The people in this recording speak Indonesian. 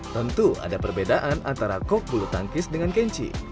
tentu ada perbedaan antara kok bulu tangkis dengan kenji